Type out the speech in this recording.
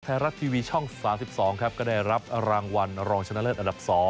ไทยรัฐทีวีช่อง๓๒ครับก็ได้รับรางวัลรองชนะเลิศอันดับ๒